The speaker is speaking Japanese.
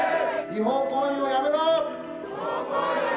違法行為をやめろ！